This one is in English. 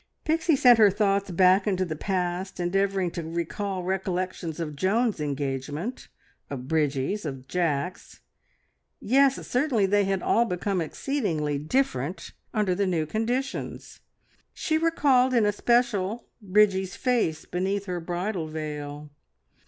Pixie sent her thoughts back into the past, endeavouring to recall recollections of Joan's engagement, of Bridgie's, of Jack's. Yes, certainly they had all become exceedingly different under the new conditions. She recalled in especial Bridgie's face beneath her bridal veil.